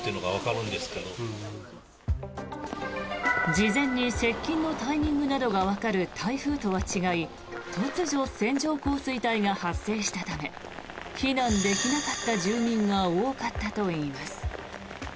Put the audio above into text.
事前に接近のタイミングなどがわかる台風とは違い突如、線状降水帯が発生したため避難できなかった住民が多かったといいます。